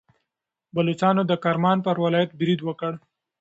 بلوڅانو د کرمان پر ولایت برید وکړ.